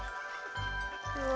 うわ。